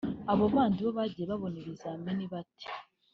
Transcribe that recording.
abo bandi bo bagiye babona ibizamini bate